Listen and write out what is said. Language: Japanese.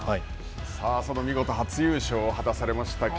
さあ、その見事、初優勝を果たされました霧